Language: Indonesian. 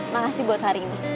makasih buat hari ini